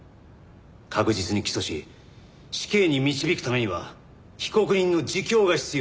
確実に起訴し死刑に導くためには被告人の自供が必要。